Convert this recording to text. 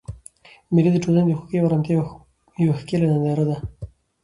مېلې د ټولنې د خوښۍ او ارامتیا یوه ښکلیه ننداره ده.